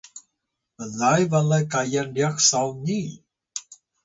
blay balay kayan ryax sawni